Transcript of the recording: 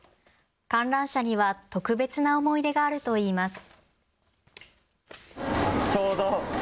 観覧車には特別な思い出があるといいます。